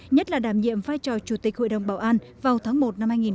nhất là đảm nhiệm vai trò chủ tịch hội đồng bảo an vào tháng một năm hai nghìn hai mươi